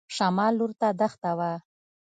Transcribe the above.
شمال لور ته دښته وه.